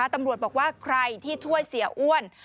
ตำรวจบอกว่าใครที่ช่วยเสียอ้วน